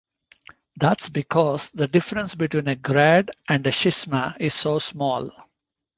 That's because the difference between a grad and a schisma is so small.